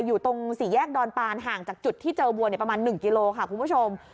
อยู่ตรงสี่แยกดอนปานห่างจากจุดที่เจอวัวประมาณ๑กิโลค่ะคุณผู้ชม